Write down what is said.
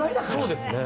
そうですね。